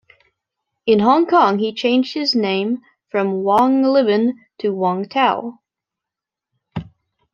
In Hong Kong, he changed his name from Wang Libin to Wang Tao.